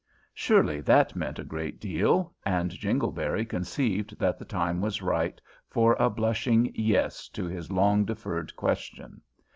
Surely that meant a great deal, and Jingleberry conceived that the time was ripe for a blushing "yes" to his long deferred question.